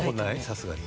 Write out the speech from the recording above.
さすがに。